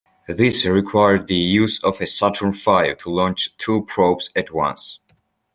This required the use of a Saturn Five to launch two probes at once.